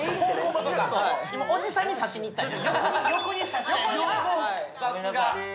今おじさんに刺しにいったんや。